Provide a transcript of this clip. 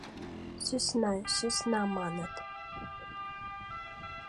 Сӧсна, сӧсна маныт...